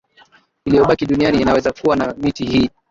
iliyobaki duniani inaweza kuwa na miti hii